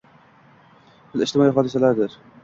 Til ijtimoiy hodisadir